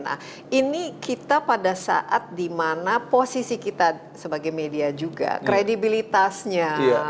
nah ini kita pada saat dimana posisi kita sebagai media juga kredibilitasnya